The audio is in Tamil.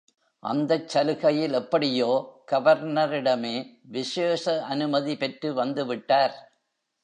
அந்தச் சலுகையில் எப்படியோ கவர்னரிடமே விசேஷ அனுமதி பெற்று வந்து விட்டார்.